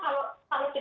kasus baik nuril ya